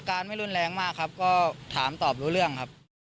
อาการไม่ได้รุนแรงมากก็ถามตอบรู้เรื่องครับ